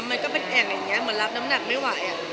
มันก็เป็นแอ่งอย่างนี้เหมือนรับน้ำหนักไม่ไหว